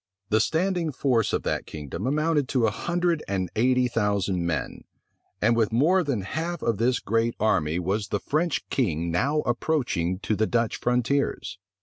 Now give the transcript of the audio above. The standing force of that kingdom amounted to a hundred and eighty thousand men; and with more than half of this great army was the French king now approaching to the Dutch frontiers.